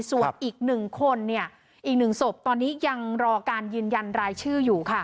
ส่วนอีก๑คนเนี่ยอีก๑ศพตอนนี้ยังรอการยืนยันรายชื่ออยู่ค่ะ